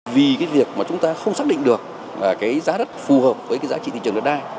vì việc chúng ta không xác định được giá đất phù hợp với giá trị thị trường đất đai